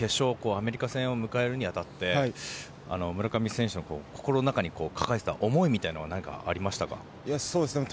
今日決勝アメリカ戦を迎えるにあたって村上選手の心の中に抱えてた思いみたいなものは何かありましたか。